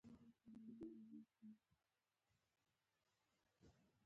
دوی هغوی د نارینه وو ناموس ګڼي.